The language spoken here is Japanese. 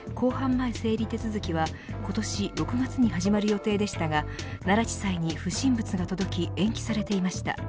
前整理手続きは今年６月に始まる予定でしたが奈良地裁に不審物が届き延期されていました。